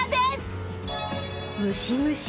ムシムシ。